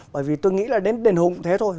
bởi vì tôi nghĩ là đến đền hùng thế thôi